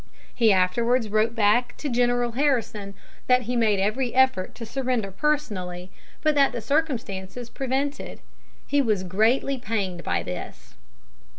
He afterwards wrote back to General Harrison that he made every effort to surrender personally, but that circumstances prevented. He was greatly pained by this.